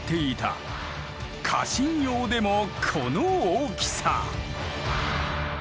家臣用でもこの大きさ！